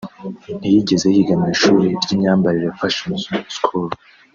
kandi ntiyigeze yiga mu ishuri ry’imyambarire (fashion school)